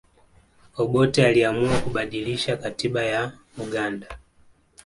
obote aliamua kubadilisha katiba ya uganda